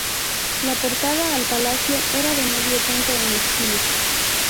La portada al Palacio era de medio punto en esquina.